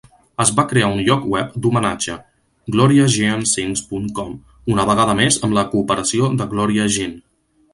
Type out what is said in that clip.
Es va crear un lloc web d'homenatge, GloriaJeanSings.com, una vegada més amb la cooperació de Gloria Jean.